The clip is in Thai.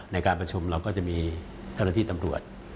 ในการประชุมเราก็จะมีเจ้าหน้าที่ตำรวจ